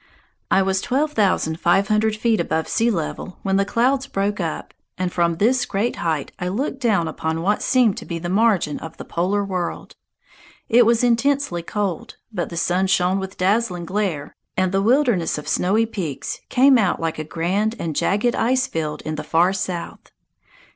I was twelve thousand five hundred feet above sea level when the clouds broke up, and from this great height I looked down upon what seemed to be the margin of the polar world. It was intensely cold, but the sun shone with dazzling glare, and the wilderness of snowy peaks came out like a grand and jagged ice field in the far south.